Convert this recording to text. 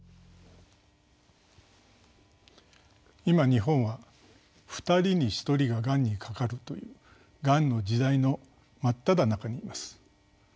今日本は２人に１人ががんにかかるという「がんの時代」の真っただ中にいます。